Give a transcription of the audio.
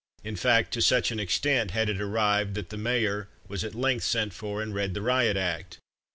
In fact, to such an extent had it arrived that the Mayor was at length sent for, and read the Riot Act.